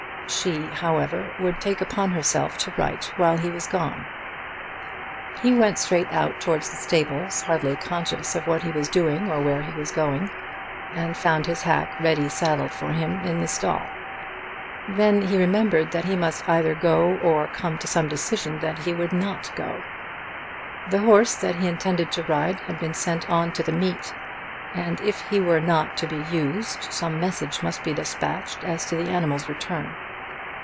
She, however, would take upon herself to write while he was gone. He went straight out towards the stables, hardly conscious of what he was doing or where he was going, and found his hack ready saddled for him in the stall. Then he remembered that he must either go or come to some decision that he would not go. The horse that he intended to ride had been sent on to the meet, and if he were not to be used, some message must be despatched as to the animal's return.